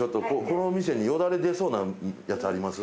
この店によだれ出そうなやつあります？